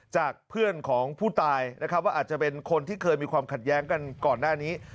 จากเพื่อนของผู้ตายนะครับว่าอาจจะเป็นคนที่เคยมีความขัดแย้งกันก่อนหน้านี้